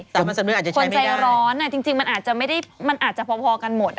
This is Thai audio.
สามัญสำนึกอาจจะใช้ไม่ได้คนใจร้อนจริงมันอาจจะพอกันหมด